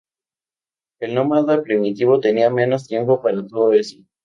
El nómada primitivo tenía menos tiempo para todo eso.